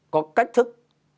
có cách thức